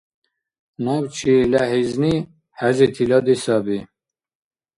Набчи лехӀизни хӀези тилади саби.